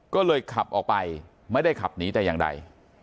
ก็เลยขับออกไปไม่ได้ขับหนีแต่อย่างใด